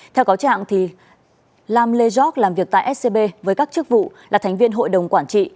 theo cáo trạng lam lê giọc làm việc tại scb với các chức vụ là thành viên hội đồng quản trị